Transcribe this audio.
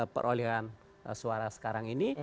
perolehan suara sekarang ini